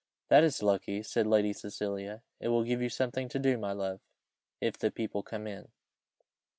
"That is lucky," said Lady Cecilia, "it will give you something to do, my love, if the people come in."